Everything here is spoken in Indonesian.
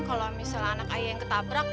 kalau misalnya anak ayah yang ketabrak